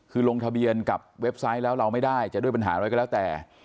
คือลงทะเบียนกับเว็บไซต์แล้วเราไม่ได้จะด้วยปัญหาอะไรก็แล้วแต่